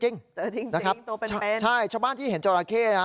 เจอจริงตัวเป็นเป็นใช่ชาวบ้านที่เห็นจราเข้นะ